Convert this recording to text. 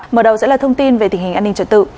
mở đầu sẽ là thông tin về tình hình an ninh trật tự